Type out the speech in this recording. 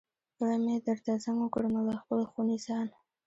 کله مې درته زنګ وکړ نو له خپلې خونې ځان.